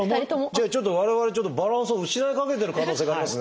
じゃあ我々ちょっとバランスを失いかけてる可能性がありますね。